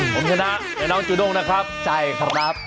ผมชนะเดี๋ยวน้องจุดงนะครับใช่ครับ